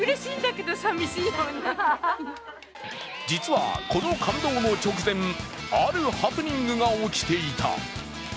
実は、この感動の直前あるハプニングが起きていた。